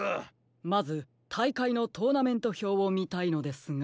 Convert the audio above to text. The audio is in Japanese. まずたいかいのトーナメントひょうをみたいのですが。